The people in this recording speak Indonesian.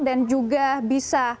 dan juga bisa